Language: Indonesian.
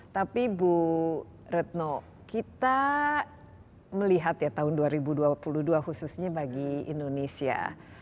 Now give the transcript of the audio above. tapi bu retno kita melihat ya tahun dua ribu dua puluh dua khususnya bagi indonesia